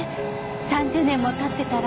３０年も経ってたら。